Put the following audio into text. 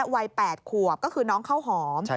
วัย๘ขวบก็คือน้องข้าวหอม